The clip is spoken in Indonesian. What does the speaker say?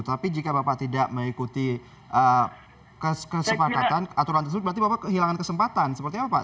tapi jika bapak tidak mengikuti kesepakatan aturan tersebut berarti bapak kehilangan kesempatan seperti apa pak